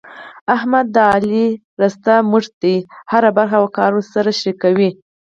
احمد د علي ښی مټ دی. هره خبره او کار ورسره شریکوي.